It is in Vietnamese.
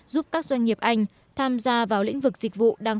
giúp các doanh nghiệp anh tham gia vào lĩnh vực dịch vụ đang